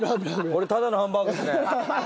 これただのハンバーグですね。